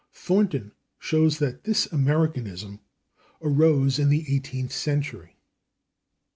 Thornton shows that this Americanism arose in the eighteenth century.